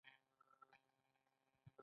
کاري خوندیتوب د کارکوونکي له حقونو څخه دی.